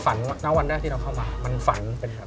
ตั้งแต่วันแรกที่เราเข้ามามันฝันเป็นยังไง